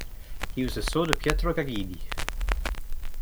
He was the son of Pietro Gagini.